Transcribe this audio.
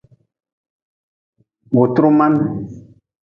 Wutru man.